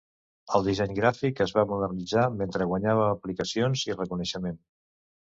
El disseny gràfic es va modernitzar mentre guanyava aplicacions i reconeixement.